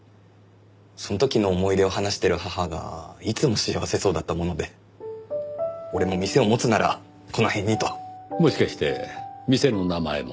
その時の思い出を話してる母がいつも幸せそうだったもので俺も店を持つならこの辺にと。もしかして店の名前も？